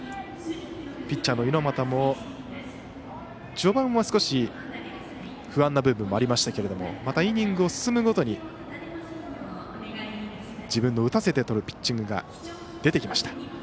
ピッチャーの猪俣も序盤は少し不安な部分もありましたけどもまたイニングを進むごとに自分の打たせてとるピッチングが出てきました。